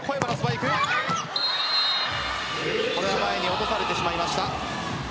これは前に落とされてしまいました。